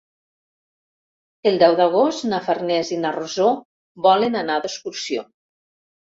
El deu d'agost na Farners i na Rosó volen anar d'excursió.